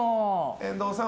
遠藤さん